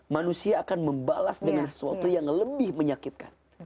manusia akan membalas dengan sesuatu yang lebih menyakitkan